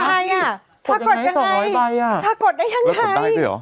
ถ้ากดยังไงของร้อยใบน่ะถ้ากดได้ยังไงถ้ากดได้หรือ